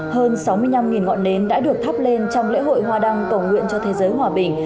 hơn sáu mươi năm ngọn nến đã được thắp lên trong lễ hội hoa đăng cầu nguyện cho thế giới hòa bình